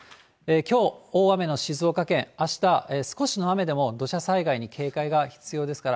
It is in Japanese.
きょう大雨の静岡県、あした少しの雨でも土砂災害に警戒が必要ですから、